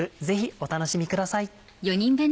ぜひお楽しみください。